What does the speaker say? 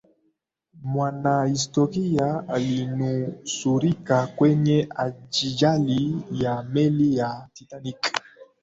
mwanahistoria alinusurika kwenye ajali ya meli ya titanic